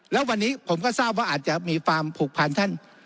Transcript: แล้ววันนี้ผมก็ทราบว่าอาจจะมีความผูกพันท่าน